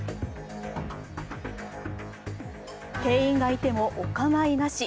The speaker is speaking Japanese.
店員がいても、お構いなし。